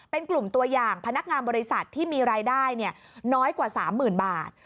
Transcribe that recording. เป็นกลุ่มตัวอย่างพนักงานบริษัทที่มีรายได้น้อยกว่า๓๐๐๐บาท